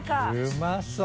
うまそう。